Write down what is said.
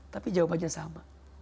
tapi jawabannya sama